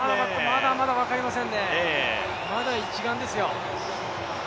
まだまだ分かりませんね、まだ一丸ですよ。